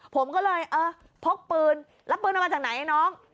ผมก็เลยเออพกปืนแล้วปืนมันมาจากไหนน้อง